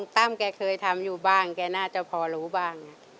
ตั้มแกเคยทำอยู่บ้างแกน่าจะพอรู้บ้าง